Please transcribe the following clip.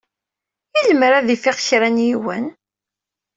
I lemmer ad ifiq kra n yiwen?